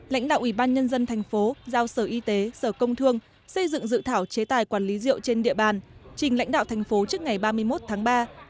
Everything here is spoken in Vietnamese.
lãnh đạo ủy ban nhân dân thành phố giao sở y tế sở công thương xây dựng dự thảo chế tài quản lý rượu trên địa bàn trình lãnh đạo thành phố trước ngày ba mươi một tháng ba